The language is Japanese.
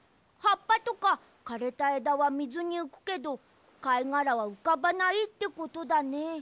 はっぱとかかれたえだはみずにうくけどかいがらはうかばないってことだね。